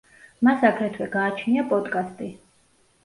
მას აგრეთვე გააჩნია პოდკასტი.